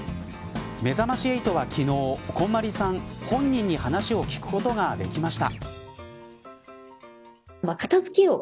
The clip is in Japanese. めざまし８は昨日こんまりさん本人に話を聞くことができました。